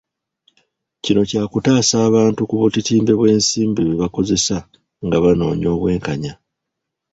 Kino kyakutaasa abantu ku butitimbe bw'ensimbi bwe bakozesa nga banoonya obwenkanya